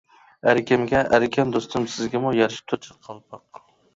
ئەركەمگە ئەركەم دوستۇم سىزگىمۇ، يارىشىپتۇ چىغ قالپاق.